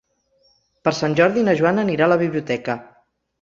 Per Sant Jordi na Joana anirà a la biblioteca.